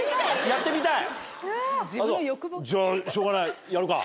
やってみたい？